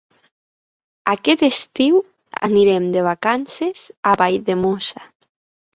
Aquest estiu anirem de vacances a Valldemossa.